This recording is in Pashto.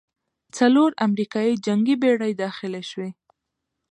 څلور امریکايي جنګي بېړۍ داخلې شوې.